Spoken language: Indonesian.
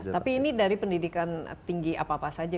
tapi ini dari pendidikan tinggi apa apa saja